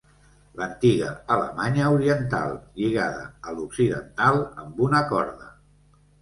L'antiga Alemanya Oriental, lligada a l'Occidental amb una corda.